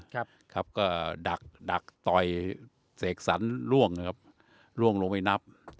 ครับครับก็ดักดักต่อยเสกสรรล่วงนะครับล่วงลงไปนับ